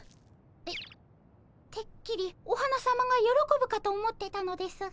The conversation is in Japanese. えってっきりお花さまがよろこぶかと思ってたのですが。